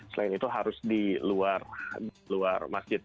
selain itu harus di luar masjid